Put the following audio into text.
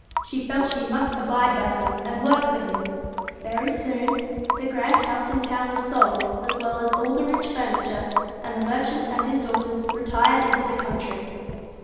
She felt she must abide by him, and work for him. Very soon, the grand house in town was sold, as well as all the rich furniture, and the merchant and his daughters retired into the country.